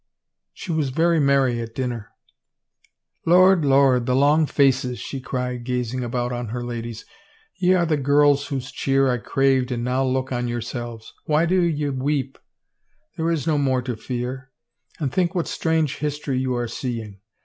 She was very merry at dinner. " Lord, Lord, the long faces," she cried, gazing about on her ladies. " Ye are the girls whose cheer I craved and now look on yourselves ! Why do ye weep ? There is no more to fear. And think what strange history you are seeing!